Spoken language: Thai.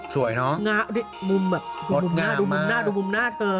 สวยเนอะง้ามุมแบบดูมุมหน้าเธอดูมุมหน้าเธอ